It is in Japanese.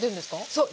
そう。